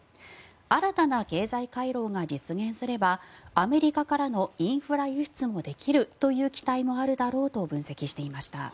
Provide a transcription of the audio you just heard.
新たな経済回廊が実現すればアメリカからのインフラ輸出もできるという期待もあるだろうと分析していました。